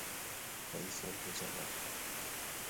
رییس الوزراء